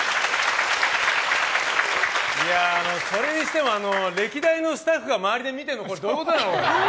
それにしても歴代のスタッフが周りで見てるのどういうことなの。